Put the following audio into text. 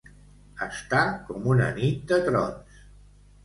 Estar com una nit de trons.